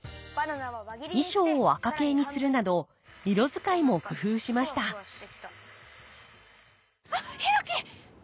衣装を赤系にするなど色使いも工夫しました・あっヒロキ！